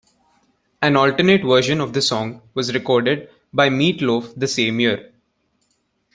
An alternate version of the song was recorded by Meat Loaf the same year.